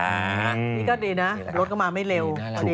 อันนี้นี่ก็ดีนะลดกันมาไม่เร็ว